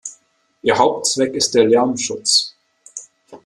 Ihr Hauptzweck ist der Lärmschutz.